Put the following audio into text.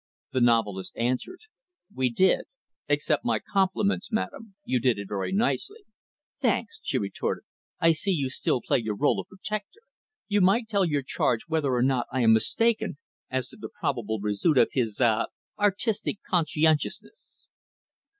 The novelist answered, "We did. Accept my compliments madam; you did it very nicely." "Thanks," she retorted, "I see you still play your role of protector. You might tell your charge whether or not I am mistaken as to the probable result of his ah artistic conscientiousness."